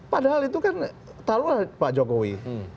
padahal itu kan taruhlah pak jokowi